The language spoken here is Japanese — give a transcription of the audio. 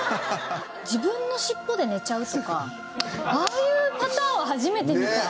自分のしっぽで寝ちゃうとかああいうパターンは初めて見た。